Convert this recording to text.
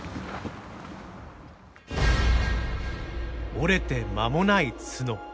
折れて間もない角。